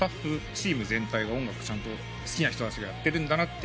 チーム全体が音楽ちゃんと好きな人たちがやってるんだなって